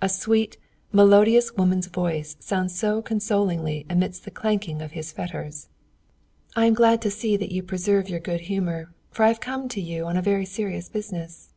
A sweet, melodious woman's voice sounds so consolingly amidst the clanking of his fetters." "I am glad to see that you preserve your good humour, for I have come to you on a very serious business."